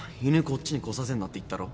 こっちに来させんなって言ったろ？